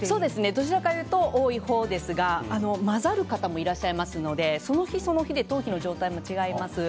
どちらかというと多い方ですが混ざる方もいらっしゃいますのでその日で頭皮の状態が違います。